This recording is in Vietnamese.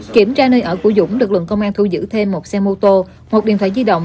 kiểm tra nơi ở của dũng lực lượng công an thu giữ thêm một xe mô tô một điện thoại di động